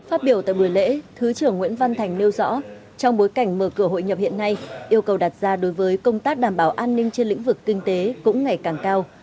phát biểu tại buổi lễ thứ trưởng nguyễn văn thành nêu rõ trong bối cảnh mở cửa hội nhập hiện nay yêu cầu đặt ra đối với công tác đảm bảo an ninh trên lĩnh vực kinh tế cũng ngày càng cao